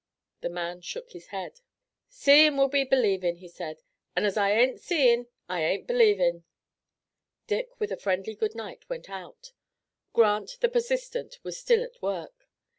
The man shook his head. "Seein' will be believin'," he said, "an' as I ain't seein' I ain't believin'." Dick with a friendly good night went out. Grant, the persistent, was still at work.